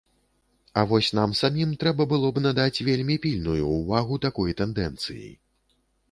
А вось нам самім трэба было б надаць вельмі пільную ўвагу такой тэндэнцыі.